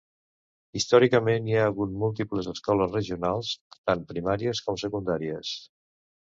Històricament, hi ha hagut múltiples escoles regionals, tant primàries com secundàries.